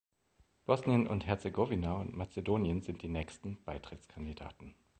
Bosnien und Herzegowina und Mazedonien sind die nächsten Beitrittskandidaten.